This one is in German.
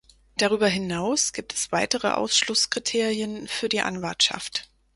Darüber hinaus gibt es weitere Ausschlusskriterien für die Anwartschaft.